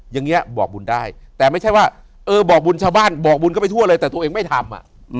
อย่างนี้บอกบุญได้แต่ไม่ใช่ว่าเออบอกบุญชาวบ้านบอกบุญก็ไปทั่วเลยแต่ตัวเองไม่ทำ